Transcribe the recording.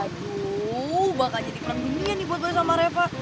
waduh bakal jadi kelemahinan nih buat bayu sama reva